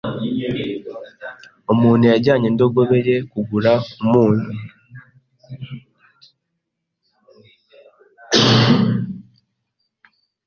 Umuntu yajyanye indogobe ye kugura umunyu